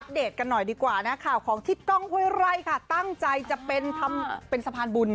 เดตกันหน่อยดีกว่านะข่าวของทิศกล้องห้วยไร่ค่ะตั้งใจจะเป็นทำเป็นสะพานบุญ